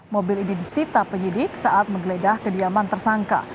mobil ini disita penyidik saat menggeledah kediaman tersangka